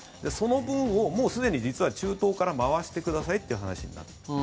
その分をもうすでに実は中東から回してくださいという話。